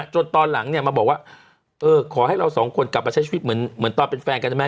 ตอนหลังเนี่ยมาบอกว่าขอให้เราสองคนกลับมาใช้ชีวิตเหมือนตอนเป็นแฟนกันได้ไหม